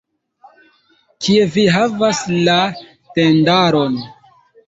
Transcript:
Kie vi havas la tendaron?